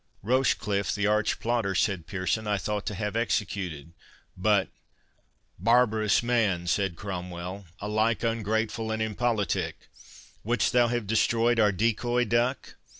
"Rochecliffe, the arch plotter," said Pearson, "I thought to have executed, but"— "Barbarous man," said Cromwell, "alike ungrateful and impolitic—wouldst thou have destroyed our decoy duck?